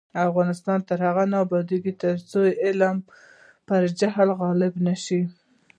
افغانستان تر هغو نه ابادیږي، ترڅو علم پر جهل غالب نشي.